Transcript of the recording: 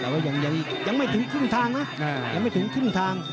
แต่ว่ายังไม่ถึงครึ่งทางนะยังไม่ถึงครึ่งทาง